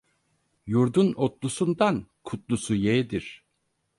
Yurdun otlusundan kutlusu yeğdir.